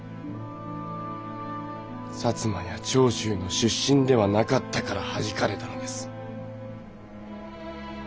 摩や長州の出身ではなかったからはじかれたのです。